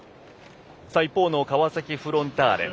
一方の川崎フロンターレ。